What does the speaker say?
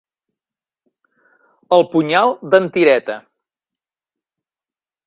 El punyal d'en Tireta.